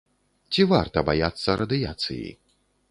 Ці варта баяцца радыяцыі?